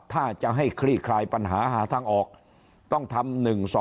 ถ้าจะให้คลี่คลายปัญหาหาทางออกต้องทำ๑๒